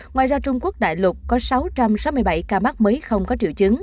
ngoài ra trung quốc đại lục có sáu trăm sáu mươi bảy ca mắc mới không có